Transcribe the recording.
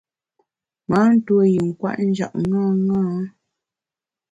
Ma tuo yin kwet njap ṅaṅâ.